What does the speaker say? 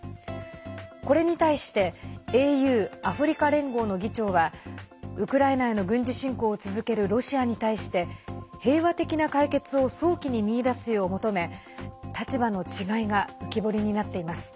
これに対してＡＵ＝アフリカ連合の議長はウクライナへの軍事侵攻を続けるロシアに対して平和的な解決を早期に見出すよう求め立場の違いが浮き彫りになっています。